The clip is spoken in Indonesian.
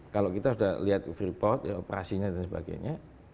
kalau kita sudah lihat free port operasinya dan sebagainya